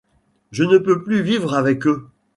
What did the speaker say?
Je ne peux plus vivre avec eux.